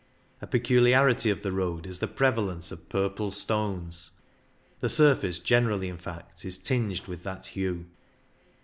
A peculiarity of the road is the prevalence of purple stones ; the surface generally, in fact, is tinged with that hue.